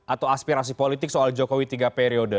atau aspirasi politik soal jokowi tiga periode